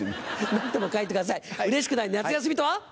何とか書いてください「うれしくない夏休み」とは？